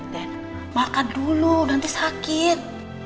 den makan dulu nanti sakit